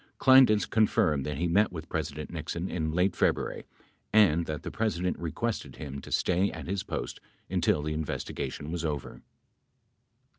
20 Kleindienst confirmed that he met with President Nixon in late Feb ruary and that the President requested him to stay at his post until the investigation was over.